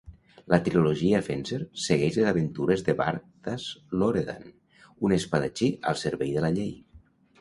La trilogia Fencer segueix les aventures de Bardas Loredan, un espadatxí al servei de la llei.